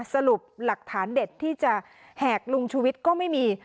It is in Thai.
สรุปหลักฐานเด็ดที่จะแหกลุงชุวิตก็ไม่มี